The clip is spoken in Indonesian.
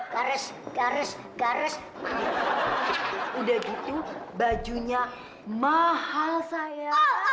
garis garis garis udah gitu bajunya mahal saya